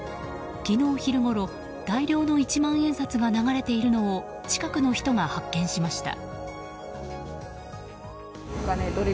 昨日昼ごろ大量の一万円札が流れているのを近くの人が発見しました。